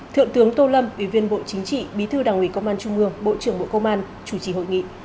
thượng tướng tô lâm ủy viên bộ chính trị bí thư đảng ủy công an trung ương bộ trưởng bộ công an chủ trì hội nghị